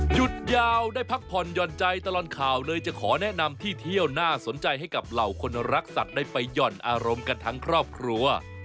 หยุดยาวได้พักผ่อนหย่อนใจตลอดข่าวเลยจะขอแนะนำที่เที่ยวน่าสนใจให้กับเหล่าคนรักสัตว์ได้ไปหย่อนอารมณ์กันทั้งครอบครัว